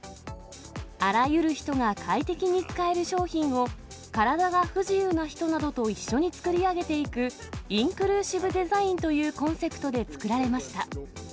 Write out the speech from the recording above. あらゆる人が快適に使える商品を、体が不自由な人などと一緒に作り上げていく、インクルーシブデザインというコンセプトで作られました。